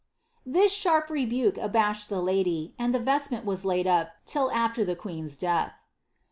This sharp rebuke abashed the lady, and the vestment was laid up till after tlie queen's death.'